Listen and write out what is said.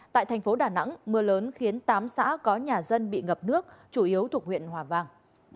tại thành phố đà nẵng mưa lớn khiến tám xã có nhà dân bị ngập nước chủ yếu thuộc huyện hòa vang